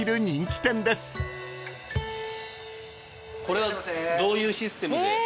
これはどういうシステムで？